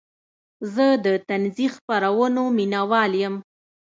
زه د طنزي خپرونو مینهوال یم.